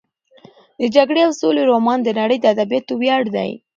د جګړې او سولې رومان د نړۍ د ادبیاتو ویاړ دی.